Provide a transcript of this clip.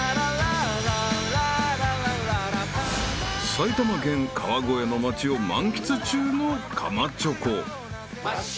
［埼玉県川越の街を満喫中のかまチョコ］